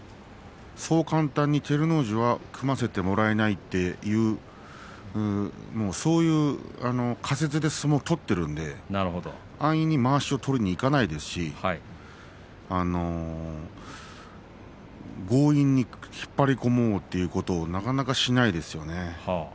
そう簡単に照ノ富士は組ませてもらえないというそういう仮説で相撲を取っているので安易にまわしを取りにいかないですし強引に引っ張り込もうということなかなかしないですよね。